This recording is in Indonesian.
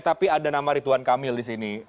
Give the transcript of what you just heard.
tapi ada nama ridwan kamil di sini